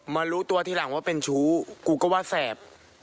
รู้ตัวทีหลังว่าเป็นชู้กูก็ว่าแสบ